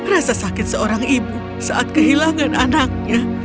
rasa sakit seorang ibu saat kehilangan anaknya